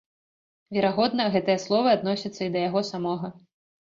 Верагодна, гэтыя словы адносяцца і да яго самога.